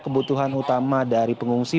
kebutuhan utama dari pengungsi